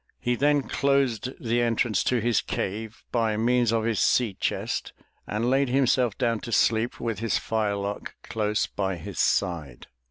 He then closed the entrance to his cave by means of his sea chest and laid himself down to sleep with his firelock close by his side.